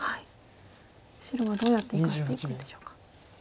白はどうやって生かしていくんでしょうか。